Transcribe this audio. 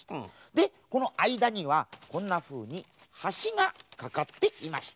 でこのあいだにはこんなふうにはしがかかっていました。